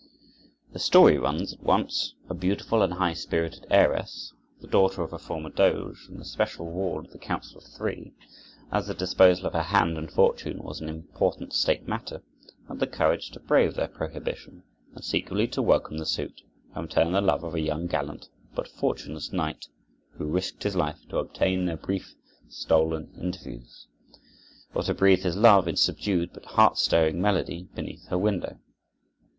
The story runs that once a beautiful and high spirited heiress, the daughter of a former Doge, and the special ward of the Council of Three, as the disposal of her hand and fortune was an important State matter, had the courage to brave their prohibition and secretly to welcome the suit and return the love of a young, gallant, but fortuneless knight, who risked his life to obtain their brief, stolen interviews, or to breathe his love in subdued but heart stirring melody beneath her window.